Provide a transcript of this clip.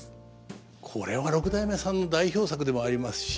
これは六代目さんの代表作でもありますし。